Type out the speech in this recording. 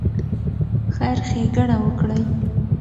خیر ښېګڼه وکړئ.